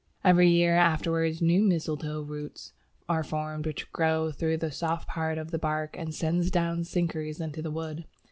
Every year afterwards new mistletoe "roots" are formed which grow through the soft part of the bark and send down sinkers into the wood.